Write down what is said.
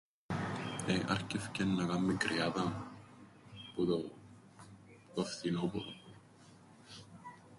Ε, άρκευκεν να κάμνει κρυάδαν που το φθινόπωρον.